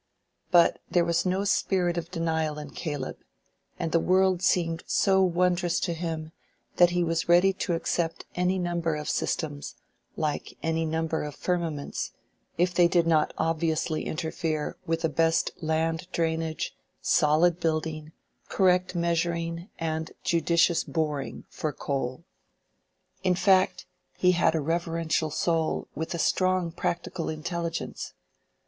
But there was no spirit of denial in Caleb, and the world seemed so wondrous to him that he was ready to accept any number of systems, like any number of firmaments, if they did not obviously interfere with the best land drainage, solid building, correct measuring, and judicious boring (for coal). In fact, he had a reverential soul with a strong practical intelligence.